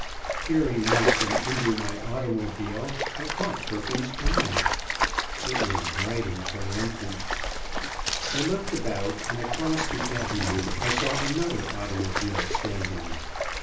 [Illustration: 96] Peering out from under my automobile, I caught Perkins's eye. It was bright and triumphant. I looked about and across the avenue I saw another automobile standing.